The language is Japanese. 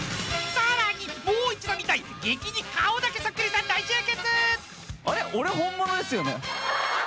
更に、もう一度見たい激似顔だけそっくりさん大集結！